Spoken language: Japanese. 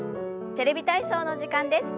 「テレビ体操」の時間です。